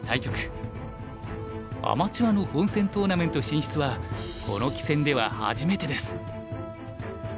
アマチュアの本戦トーナメント進出はこの棋戦では初めてです。